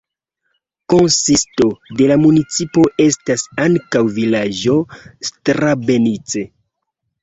Konsisto de la municipo estas ankaŭ vilaĝo Strabenice.